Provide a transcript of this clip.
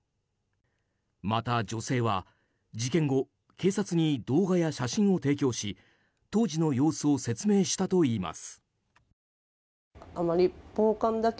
また、女性は事件後警察に動画や写真を提供し当時の様子を説明したといいます。